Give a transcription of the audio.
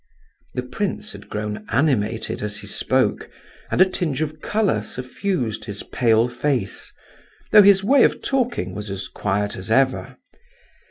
The prince had grown animated as he spoke, and a tinge of colour suffused his pale face, though his way of talking was as quiet as ever.